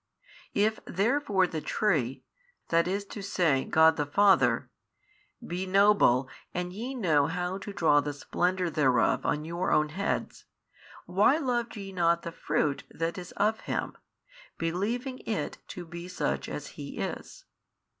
If therefore the Tree (i. e. God the |644 Father) be Noble and ye know how to draw the Splendour thereof on your own heads, why loved ye not the Fruit that is of Him, believing It to be such as He is?